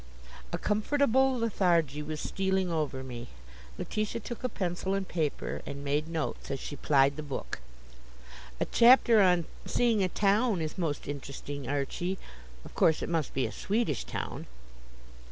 '" A comfortable lethargy was stealing o'er me. Letitia took a pencil and paper, and made notes as she plied the book. "A chapter on 'seeing a town' is most interesting, Archie. Of course, it must be a Swedish town.